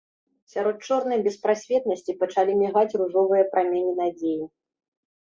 Сярод чорнай беспрасветнасці пачалі мігаць ружовыя праменні надзеі.